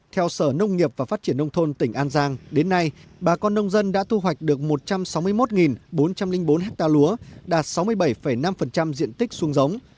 theo sở nông nghiệp và phát triển nông thôn tỉnh an giang đến nay bà con nông dân đã thu hoạch được một trăm sáu mươi một bốn trăm linh bốn hectare lúa đạt sáu mươi bảy năm diện tích xuống giống